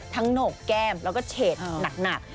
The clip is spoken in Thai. ทั้งโหนกแก้มและเหฉดหนัก